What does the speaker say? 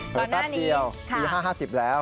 แป๊บเดียวปี๕๕๐แล้ว